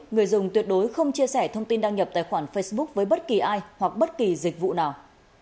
người dùng tuyệt đối không chia sẻ thông tin đăng nhập tài khoản facebook với bất kỳ ai hoặc bất kỳ dịch vụ nào